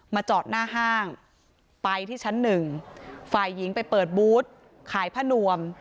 จอดหน้าห้างไปที่ชั้นหนึ่งฝ่ายหญิงไปเปิดบูธขายผ้านวม